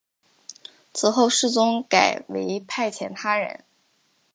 此后世宗改为派遣他人。